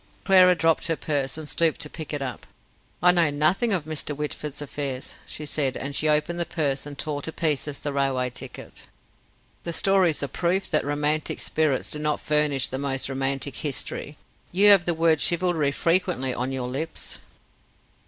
Clara dropped her purse, and stooped and picked it up. "I know nothing of Mr. Whitford's affairs," she said, and she opened the purse and tore to pieces the railway ticket. "The story's a proof that romantic spirits do not furnish the most romantic history. You have the word 'chivalry' frequently on your lips.